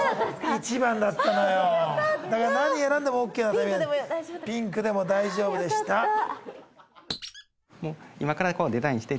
１番だったのよだから何選んでもオーケーピンクでも大丈夫でしたああ